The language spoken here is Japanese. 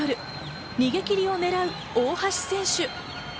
逃げ切りを狙う大橋選手。